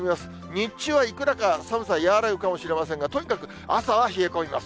日中はいくらか寒さ和らぐかもしれませんが、とにかく朝は冷え込みます。